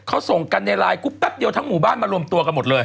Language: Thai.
เขาส่งกันในไลน์กรุ๊ปแป๊บเดียวทั้งหมู่บ้านมารวมตัวกันหมดเลย